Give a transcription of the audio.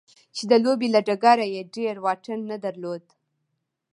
چې د لوبې له ډګره يې ډېر واټن نه درلود.